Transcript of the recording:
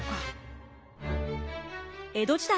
江戸時代